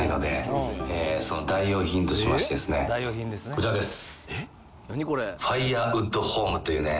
こちらです。